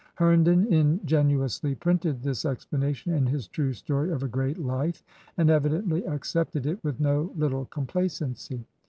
Herndon ingenu ously printed this explanation in his "True Story of a Great Life," and evidently accepted it with no little complacency.